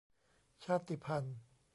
ชาติพันธุ์